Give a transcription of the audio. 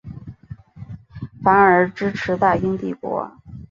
反而支持大英帝国。